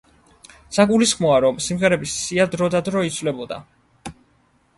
საგულისხმოა, რომ სიმღერების სია დრო და დრო იცვლებოდა.